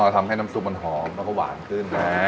ทำให้น้ำซุปมันหอมแล้วก็หวานขึ้น